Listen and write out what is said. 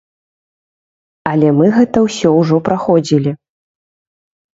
Але мы гэта ўсё ўжо праходзілі.